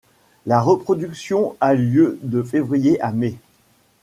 La reproduction a lieu de février à mai.